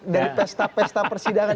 dari pesta pesta persidangan